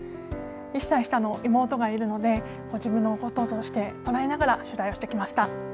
１歳下の妹がいるので自分のこととして捉えながら取材をしてきました。